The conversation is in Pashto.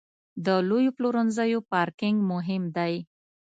د لویو پلورنځیو پارکینګ مهم دی.